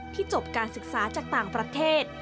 จบการศึกษาจากต่างประเทศ